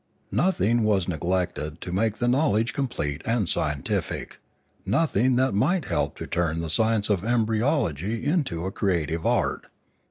Nothing was neglected to make the knowledge complete and scientific, nothing that might help to turn the science of embryology into a creative art.